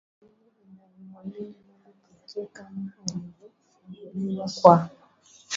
dini inayomwamini Mungu pekee kama alivyofunuliwa kwa